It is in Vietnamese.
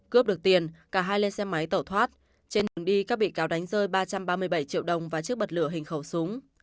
cướp được tiền cả hai lên xe máy tẩu thoát trên đường đi các bị cáo đánh rơi ba trăm ba mươi bảy triệu đồng và chiếc bật lửa hình khẩu súng